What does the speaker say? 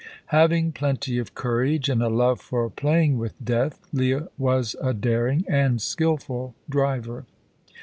Having plenty of courage, and a love for playing with death, Leah was a daring and skilful driver.